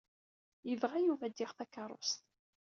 Yebɣa Yuba ad d-yaɣ takeṛṛust.